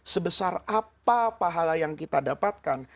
sebesar apa pahala yang kita dapatkan